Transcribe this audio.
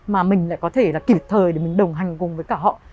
mà mình lại có thể là kịp thời để mình đồng hành cùng với cả họ